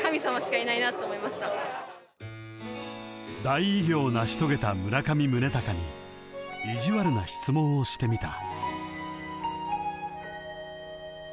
［大偉業を成し遂げた村上宗隆に意地悪な質問をしてみた］